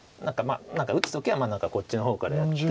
打つ時はこっちの方からやって。